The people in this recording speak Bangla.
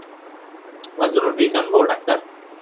আপনার জন্য ড্রিংক আনবো, ডাক্তার?